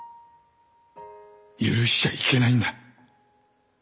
許しちゃいけないんだ。